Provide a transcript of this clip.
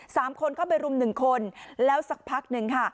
สามคนเข้าไปรุมหนึ่งคนแล้วสักพักหนึ่งค่ะ